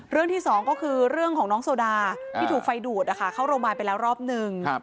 ที่สองก็คือเรื่องของน้องโซดาที่ถูกไฟดูดเข้าโรงพยาบาลไปแล้วรอบนึง